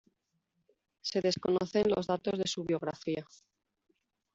Se desconocen los datos de su biografía.